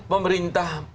kalau pemerintah alasannya